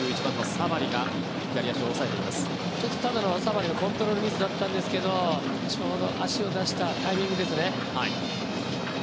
サバリのコントロールミスだったんですけどちょうど、足を出したタイミングですね。